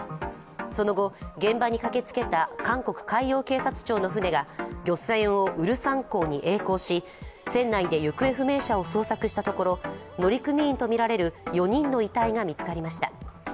その後、現場に駆けつけた韓国海洋警察庁の船が漁船をウルサン港にえい航し、船内で行方不明者を捜索したところ、乗組員とみられる４人の遺体が見つかりました。